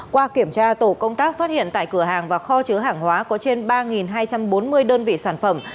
qua kiểm tra tổ công tác phát hiện tại cửa hàng và kho chứa hàng hóa có trên ba hai trăm bốn mươi đơn vị sản phẩm